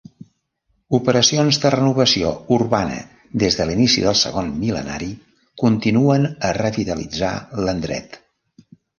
Operacions de renovació urbana des de l'inici del segon mil·lenari continuen a revitalitzar l'endret.